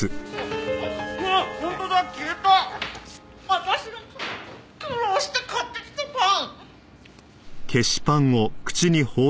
私の苦労して買ってきたパン。